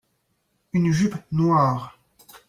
une jupe noire.